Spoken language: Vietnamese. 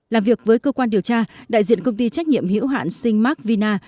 làm việc với cơ quan điều tra đại diện công ty trách nhiệm ưu hạn shingmark vinha